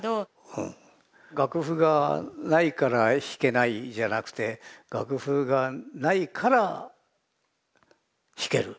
楽譜がないから弾けないじゃなくて楽譜がないから弾ける。